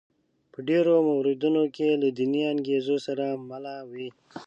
په ډېرو موردونو کې له دیني انګېزو سره مله دي.